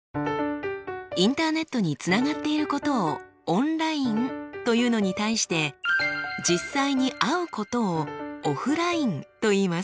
インターネットにつながっていることをオンラインというのに対して実際に会うことをオフラインといいます。